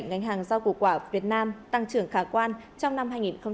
ngành hàng giao cục quả việt nam tăng trưởng khả quan trong năm hai nghìn hai mươi ba